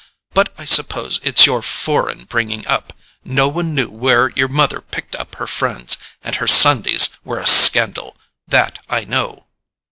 But I suppose it's your foreign bringing up—no one knew where your mother picked up her friends. And her Sundays were a scandal—that I know."